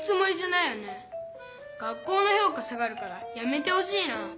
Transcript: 学校のひょうか下がるからやめてほしいな。